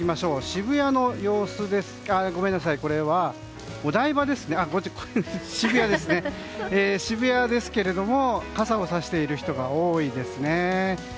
渋谷の様子ですけども傘をさしている人が多いですね。